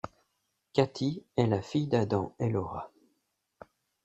Katy est la fille d'Adam et Laura.